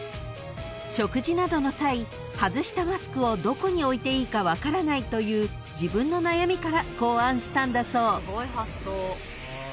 ［食事などの際外したマスクをどこに置いていいか分からないという自分の悩みから考案したんだそう］